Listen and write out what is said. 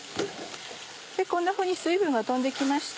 こんなふうに水分が飛んで行きました。